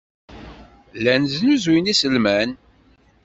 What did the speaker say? Llan snuzuyen iselman.